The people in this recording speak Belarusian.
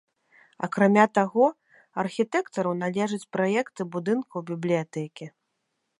Акрамя таго, архітэктару належаць праекты будынкаў бібліятэкі.